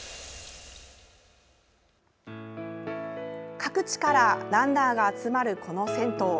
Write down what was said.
各地からランナーが集まるこの銭湯。